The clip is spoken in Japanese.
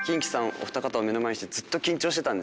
お二方を目の前にしてずっと緊張してたんですよ。